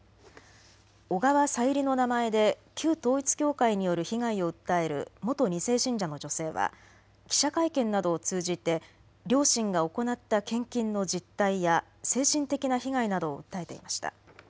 小川さゆりの名前で旧統一教会による被害を訴える元２世信者の女性は記者会見などを通じて両親が行った献金の実態や精神的な被害などを訴えていました。